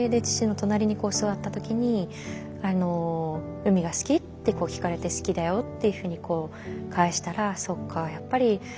父の隣に座った時に「海が好き？」って聞かれて「好きだよ」っていうふうに返したらそっかやっぱり。